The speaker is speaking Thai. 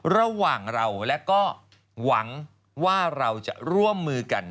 ระหว่างเราและก็หวังว่าเราจะร่วมมือกัน